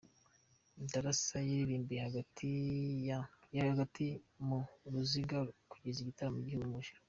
Darassa yaririmbiye hagati mu ruziga kugeza igitaramo gihumuje.